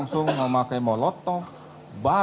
saya akan mencoba